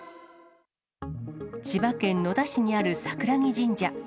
千葉県野田市にある櫻木神社。